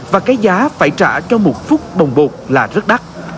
và cái giá phải trả cho một phút đồng bột là rất đắt